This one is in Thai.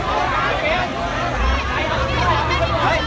ก็ไม่มีเวลาให้กลับมาเท่าไหร่